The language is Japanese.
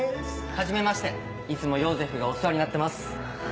はじめましていつもヨーゼフがお世話になってます。